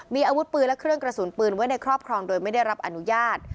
มีอาวุธปืนและเครื่องกระสุนปืนไว้ในครอบครองโดยไม่ได้รับอนุญาต